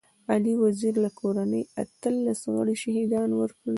علي وزير له کورنۍ اتلس غړي شهيدان ورکړي.